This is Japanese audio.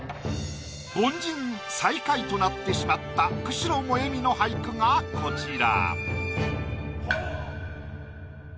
凡人最下位となってしまった久代萌美の俳句がこちら。